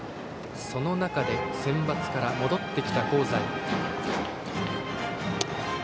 その中でセンバツから戻ってきた香西。